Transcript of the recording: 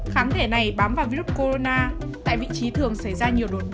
kháng thể này bám vào virus corona